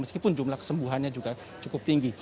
meskipun jumlah kesembuhannya juga cukup tinggi